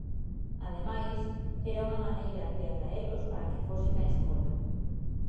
Ademais, era unha maneira de atraelos para que fosen á escola.